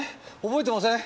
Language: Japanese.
覚えてません？